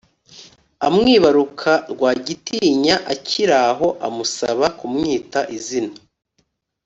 amwibaruka rwagitinya akiraho amusaba kumwita izina